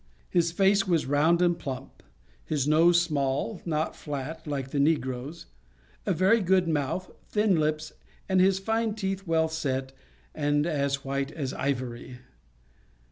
His face was round and plump; his nose small, not flat, like the negroes; a very good mouth, thin lips, and his fine teeth well set, and as white as ivory.